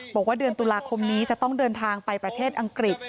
บอกว่าเดือนตุลาคมนี้จะต้องเดินทางไปประเทศอังกฤษ